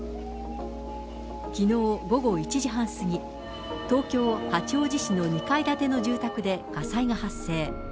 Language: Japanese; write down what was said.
きのう午後１時半過ぎ、東京・八王子市の２階建ての住宅で火災が発生。